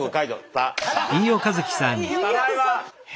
ただいま！